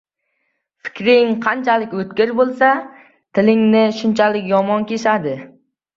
Fikring qanchalik o‘tkir bo‘lsa, tilingni shunchalik yomon kesadi.